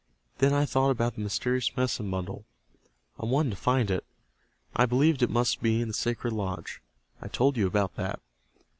Then I thought about the mysterious medicine bundle. I wanted to find it. I believed it must be in the sacred lodge. I told you about that.